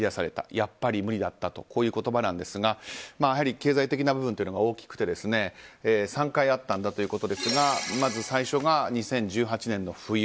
やっぱり無理だったとこういう言葉なんですがやはり経済的な部分が大きくて３回あったんだということですがまず最初が２０１８年の冬。